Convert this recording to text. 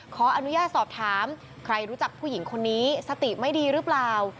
ขออนุญาตสอบถามใครรู้จักผู้หญิงคนนี้สติไม่ดีหรือเปล่า